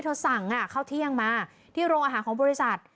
สั่งเข้าเที่ยงมาที่โรงอาหารของบริษัท